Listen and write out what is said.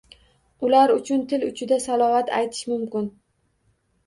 Ular uchun til uchida salovat aytish mumkin.